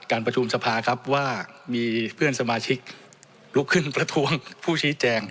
ประชุมสภาครับว่ามีเพื่อนสมาชิกลุกขึ้นประท้วงผู้ชี้แจง